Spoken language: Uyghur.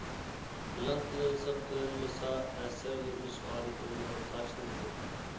ئېلان قىلىنسا قىلىنمىسا ئەسەر يېزىش ئادىتىمنى تاشلىمىدىم.